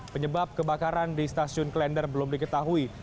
penyebab kebakaran di stasiun klender belum diketahui